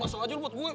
masuk aja lo buat gue